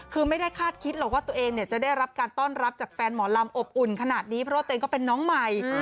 คือไม่ได้คาดคิดหรอกว่าตัวเองจะได้รับการต้อนรับจากแฟนหมอลำอบอุ่นขนาดนี้เพราะว่าตัวเองก็เป็นน้องใหม่